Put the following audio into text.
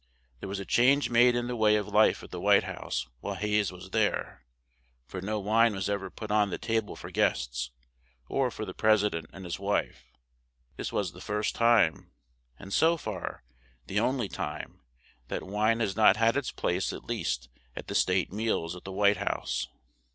There was a change made in the way of life at the White House while Hayes was there, for no wine was ever put on the ta ble for guests or for the pres i dent and his wife; this was the first time, and so far, the on ly time, that wine has not had its place at least at the state meals at the White House.